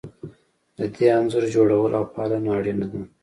د دې انځور جوړول او پالنه اړینه ده.